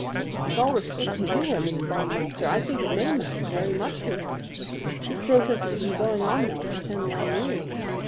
"With all respect to you, Eminent Bodymaster, I think it may matter very much to us. This process has been going on now for ten long years.